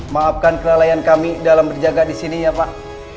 maafkan kelalaian kami dalam berjaga di sini ya pak